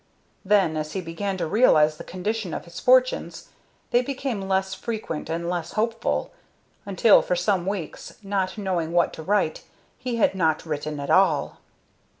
Then, as he began to realize the condition of his fortunes, they became less frequent and less hopeful, until for some weeks, not knowing what to write, he had not written at all.